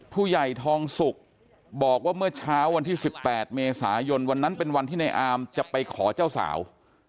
ผู้ใหญ่ทองสุกบอกว่าเมื่อเช้าวันที่๑๘เมษายนวันนั้นเป็นวันที่ในอามจะไปขอเจ้าสาว